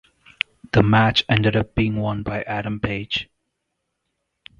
The match ended up being won by Adam Page.